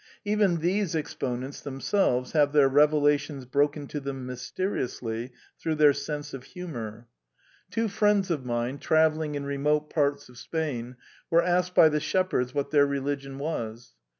Even these exponents themselves have their revelations broken to them mysteriously through their sense of humor. Two friends of The New Element 199 mine, travelling in remote parts of Spain, were asked by the shepherds what their religion was.